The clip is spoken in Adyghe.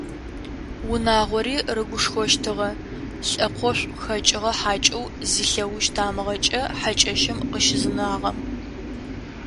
Унагъори рыгушхощтыгъэ лӏэкъошӏу хэкӏыгъэ хьакӏэу зилъэуж тамыгъэкӏэ хьакӏэщым къыщызынагъэм.